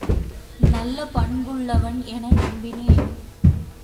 நல்ல பண்புள்ளவன் என் நம்பினேன்.